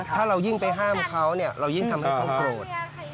ถ้าเรายิ่งไปห้ามเขาเรายิ่งทำให้เขาโกรธ